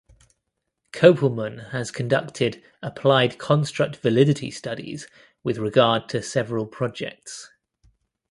Kopelman has conducted applied construct validity studies with regard to several projects.